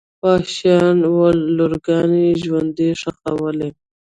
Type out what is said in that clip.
وحشیان ول لورګانې ژوندۍ ښخولې.